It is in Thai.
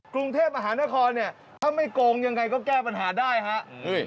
กรุงเทพฯอาหารนครถ้าไม่โกงอย่างไรก็แก้ปัญหาได้ครับ